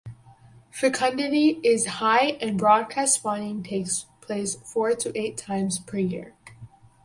Fecundity is high and broadcast spawning takes place four to eight times per year.